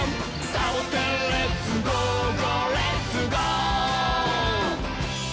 「サボテンレッツゴー！ゴーレッツゴー！」